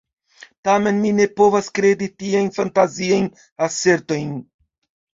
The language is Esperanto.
Tamen mi ne povas kredi tiajn fantaziajn asertojn.